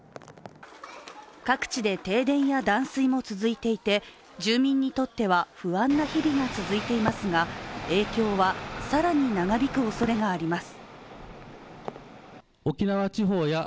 各地で停電や断水も続いていて住民にとっては不安な日々が続いていますが影響は更に長引くおそれがあります。